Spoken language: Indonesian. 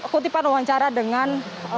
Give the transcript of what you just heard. kutipan wawancara dengan